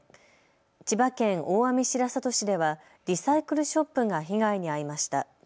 千葉県大網白里市ではリサイクルショップが被害に遭いました。